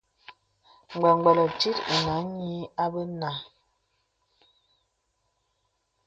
Gbə̀gbə̀lə̀ tìt ànə a nyì abə nà.